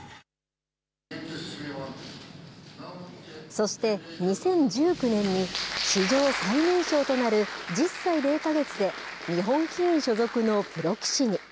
そして、２０１９年に史上最年少となる１０歳０か月で、日本棋院所属のプロ棋士に。